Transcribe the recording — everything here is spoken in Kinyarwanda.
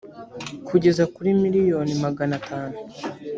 kugeza kuri miliyoni magana atanu